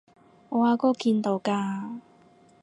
我阿哥見到㗎